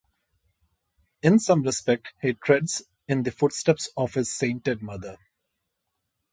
In some respects, he treads in the footsteps of his sainted mother.